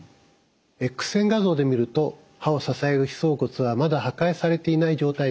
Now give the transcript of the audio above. Ｘ線画像で見ると歯を支える歯槽骨はまだ破壊されていない状態です。